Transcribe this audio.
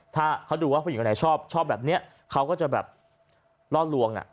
ถ้าเขาดูว่าผู้หญิงคนไหนชอบแบบนี้เขาก็จะแบบล่อลวงอ่ะ